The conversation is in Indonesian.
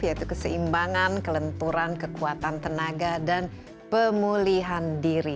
yaitu keseimbangan kelenturan kekuatan tenaga dan pemulihan diri